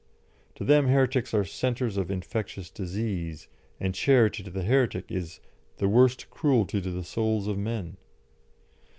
To them heretics are centres of infectious disease, and charity to the heretic is "the worst cruelty to the souls of men."